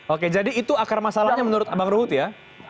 oke jadi itu akar masalahnya menurut bang ruhut ya